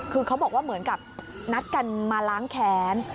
คือเขาบอกว่าเหมือนกับนัดกันมาล้างแค้น